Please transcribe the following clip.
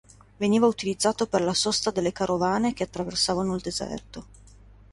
Veniva utilizzato per la sosta delle carovane che attraversavano il deserto.